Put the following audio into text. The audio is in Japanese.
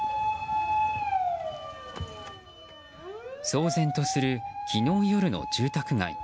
騒然とする、昨日夜の住宅街。